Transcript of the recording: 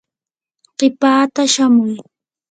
qipaata shamuy.